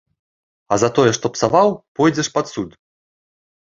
А за тое, што псаваў, пойдзеш пад суд.